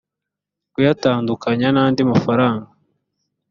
kuyatandukanya n andi mafaranga